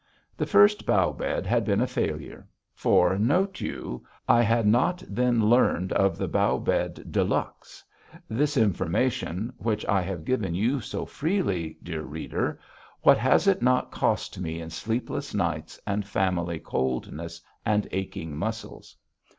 The first bough bed had been a failure. For note you I had not then learned of the bough bed de luxe. This information, which I have given you so freely, dear reader, what has it not cost me in sleepless nights and family coldness and aching muscles!